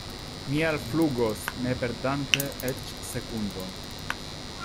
Mi alflugos, ne perdante eĉ sekundon.